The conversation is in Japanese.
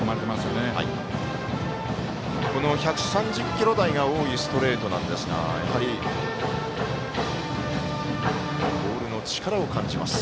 １３０キロ台が多いストレートなんですがボールの力を感じます。